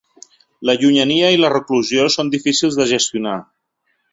La llunyania i la reclusió són difícils de gestionar.